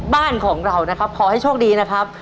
บ้านของเรานะครับขอให้โชคดีนะครับ